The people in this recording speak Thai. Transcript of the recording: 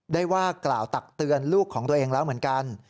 ได้ว่ากล่าวตักเตือนลูกของตัวเองแล้วเหมือนกัน